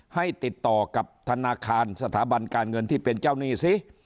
ให้ติดต่อกับธนาคารสถาบันการเงินที่เป็นเจ้าหนี้สิ